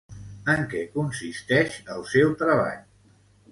En què consisteix el seu treball?